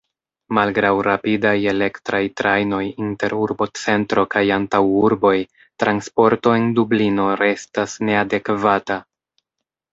Malgraŭ rapidaj elektraj trajnoj inter urbocentro kaj antaŭurboj, transporto en Dublino restas neadekvata.